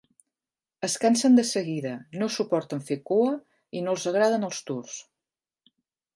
Es cansen de seguida, no suporten fer cua i no els agraden els tours.